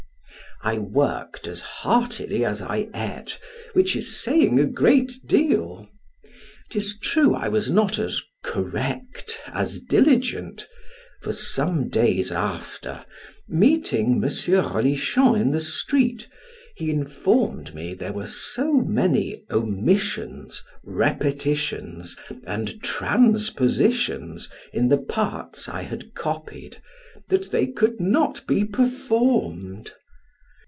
I worked as heartily as I ate, which is saying a great deal; 'tis true I was not as correct as diligent, for some days after, meeting M. Rolichon in the street, he informed me there were so many omissions, repetitions, and transpositions, in the parts I had copied, that they could not be performed.